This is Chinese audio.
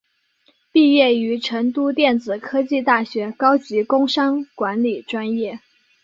毕业于成都电子科技大学高级工商管理专业。